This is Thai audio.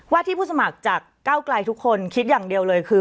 ที่ผู้สมัครจากเก้าไกลทุกคนคิดอย่างเดียวเลยคือ